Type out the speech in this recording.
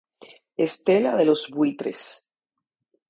Estela de los Buitres.